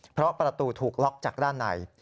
เพราะประตูถูกล็อกจากด้านใน